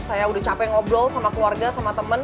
saya udah capek ngobrol sama keluarga sama temen